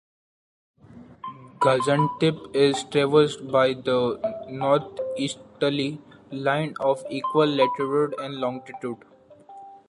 Gaziantep is traversed by the northeasterly line of equal latitude and longitude.